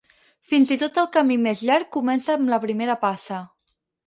Fins i tot el camí més llarg comença amb la primera passa.